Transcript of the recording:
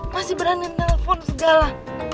masih berani telepon segala